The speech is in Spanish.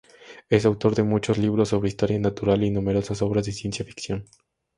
Es autor de muchos libros sobre historia natural y numerosas obras de ciencia ficción.